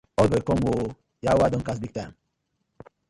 Old boy com ooo!!! Yawa don gas big time.